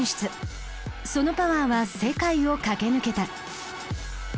そのパワーは世界を駆け抜けた。